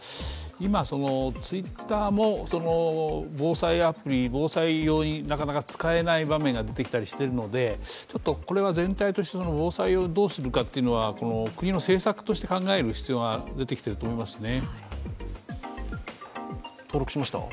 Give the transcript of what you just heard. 今、Ｔｗｉｔｔｅｒも防災アプリ、防災用になかなか使えない場面が出てきたりしているのでちょっとこれは全体として防災をどうするかは国の政策として考える必要が出てきていると思いますね。